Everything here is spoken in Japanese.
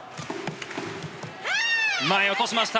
前、落としました。